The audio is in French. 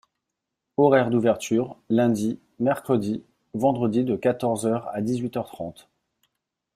Horaires d’ouverture : lundi, mercredi, vendredi de quatorze heures à dix-huit heures trente.